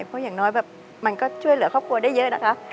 เพราะอย่างน้อยแบบมันก็ช่วยเหลือครอบครัวได้เยอะนะคะ